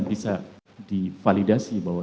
bisa divalidasi bahwa